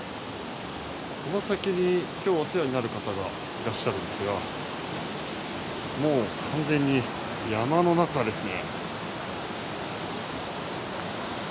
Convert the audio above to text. この先に今日お世話になる方がいらっしゃるんですがもう完全に山の中ですね。